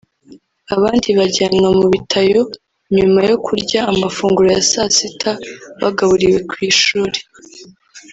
abandi bajyanwa mu bitao nyuma yo kurya amafunguro ya saa sita bagaburiwe ku ishuri